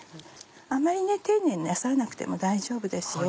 あんまり丁寧になさらなくても大丈夫ですよ。